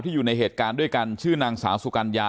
อยู่ในเหตุการณ์ด้วยกันชื่อนางสาวสุกัญญา